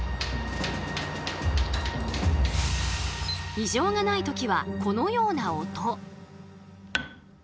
異常がない時はこのような音。